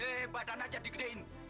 eh badan aja digedein